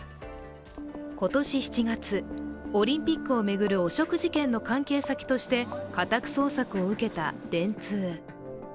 今年７月、オリンピックを巡る汚職事件の関係先として家宅捜索を受けた電通。